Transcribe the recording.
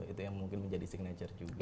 itu yang mungkin menjadi signature juga